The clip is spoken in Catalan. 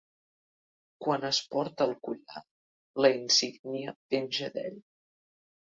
Quan es porta el collar, la insígnia penja d'ell.